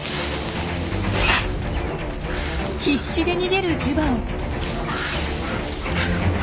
必死で逃げるジュバオ。